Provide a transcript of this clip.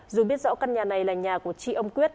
dù biết rõ căn nhà này là nhà của tri ông quyết